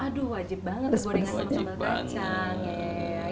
aduh wajib banget gorengan sama sambal kacang